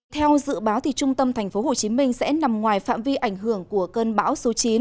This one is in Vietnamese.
theo dự báo trung tâm tp hcm sẽ nằm ngoài phạm vi ảnh hưởng của cơn bão số chín